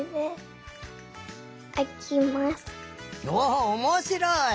おっおもしろい！